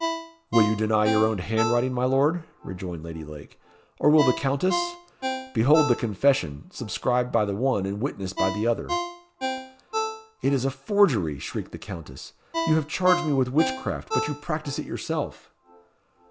"Will you deny your own handwriting, my Lord?" rejoined Lady Lake; "or will the Countess? Behold the confession, subscribed by the one, and witnessed by the other." "It is a forgery!" shrieked the Countess. "You have charged me with witchcraft; but you practise it yourself."